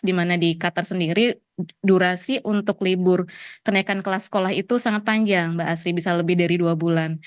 dimana di qatar sendiri durasi untuk libur kenaikan kelas sekolah itu sangat panjang mbak asri bisa lebih dari dua bulan